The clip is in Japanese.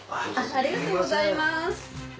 ありがとうございます。